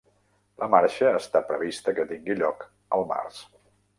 La marxa està prevista que tingui lloc el març.